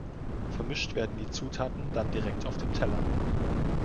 Vermischt werden die Zutaten dann direkt auf dem Teller.